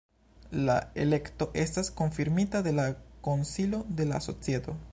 La elekto estas konfirmita de la Konsilo de la Societo.